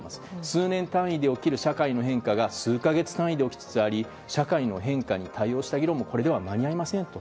数年単位で起きる社会の変化が数か月単位で起きつつあり社会の変化に対応した議論もこれでは間に合いませんと。